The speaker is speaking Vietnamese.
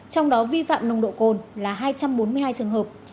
trong đó vi phạm nồng độ cồn là hai trăm bốn mươi hai trường hợp